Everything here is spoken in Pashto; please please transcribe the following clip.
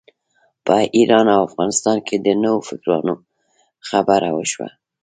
په ایران او افغانستان کې د نوفکرانو خبره وشوه.